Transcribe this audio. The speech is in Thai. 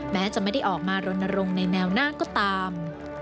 แม้จะไม่ได้ออกมารณรงค์ในแนวหน้าก็ตาม